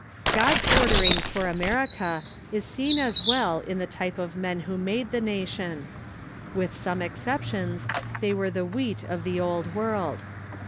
God's ordering for America is seen as well in the type of men who made the nation. With some exceptions, they were the wheat of the Old World.